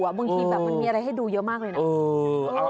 บางทีแบบมันมีอะไรให้ดูเยอะมากเลยนะ